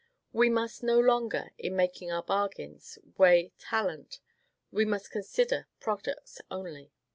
We must no longer, in making our bargains, weigh talent; we must consider products only.